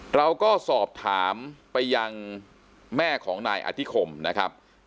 เราก็สอบถามไปยังแม่ของนายอธิคมนะครับ